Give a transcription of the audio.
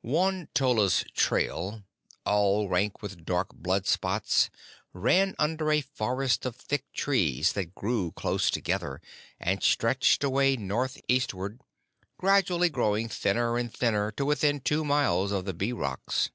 Won tolla's trail, all rank with dark blood spots, ran under a forest of thick trees that grew close together and stretched away northeastward, gradually growing thinner and thinner to within two miles of the Bee Rocks.